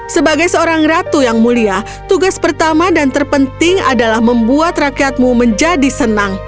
sebagai seorang ratu yang mulia tugas pertama dan terpenting adalah membuat rakyatmu menjadi senang